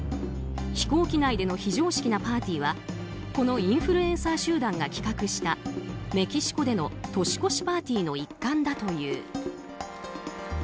飛行機内での非常識なパーティーはこのインフルエンサー集団が企画したメキシコでの年越しパーティーの一環だという。